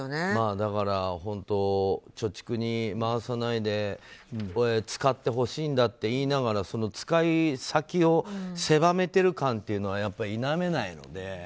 だから、貯蓄に回さないで使ってほしいんだと言いながら使い先を狭めてる感というのは否めないので。